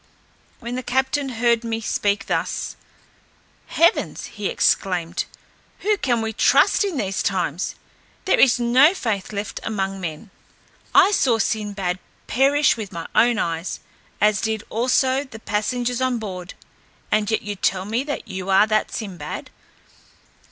When the captain heard me speak thus, "Heavens!" he exclaimed, "whom can we trust in these times? There is no faith left among men. I saw Sinbad perish with my own eyes, as did also the passengers on board, and yet you tell me you are that Sinbad.